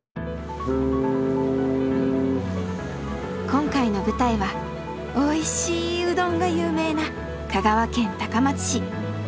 今回の舞台はおいしいうどんが有名な香川県高松市。